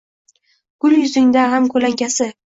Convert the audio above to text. Gul yuzingda g’am ko’lankasi